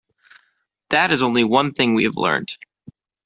That is only one thing we have learnt.